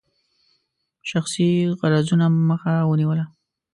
شخصي غرضونو مخه ونیوله.